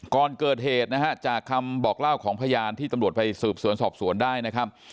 ก่อนเกิดเหตุนะฮะจากคำบอกเล่าของพยานที่ตำรวจไปสืบสวนสอบสวนได้นะครับ